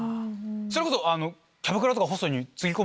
それこそ。